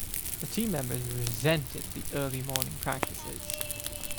The team members resented the early morning practices